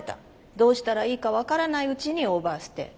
どうしたらいいか分からないうちにオーバーステイ。